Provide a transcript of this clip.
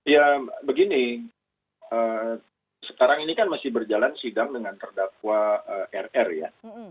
ya begini sekarang ini kan masih berjalan sidang dengan terdakwa rr ya